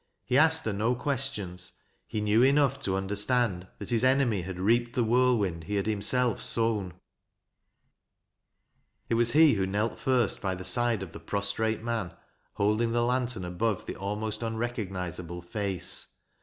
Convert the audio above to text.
He asked her no questions. He knew enough to understand that his enemy had reaped the whirlwind he had himself sown. It was he who knelt first by the side of the prostrate man, holding the lantern above the almost unrecognizable face.